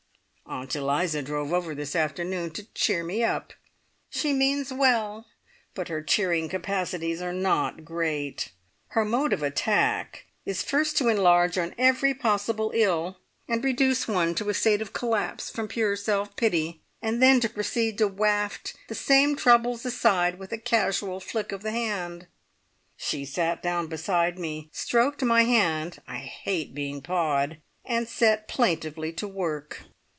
Aunt Eliza drove over this afternoon to "cheer me up". She means well, but her cheering capacities are not great. Her mode of attack is first to enlarge on every possible ill, and reduce one to a state of collapse from pure self pity, and then to proceed to waft the same troubles aside with a casual flick of the hand. She sat down beside me, stroked my hand (I hate being pawed!) and set plaintively to work.